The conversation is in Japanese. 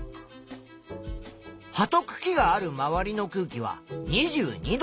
葉とくきがある周りの空気は２２度。